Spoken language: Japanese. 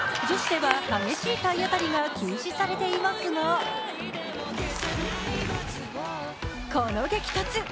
女子では激しい体当たりが禁止されていますがこの激突！